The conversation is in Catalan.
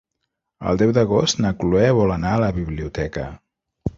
El deu d'agost na Cloè vol anar a la biblioteca.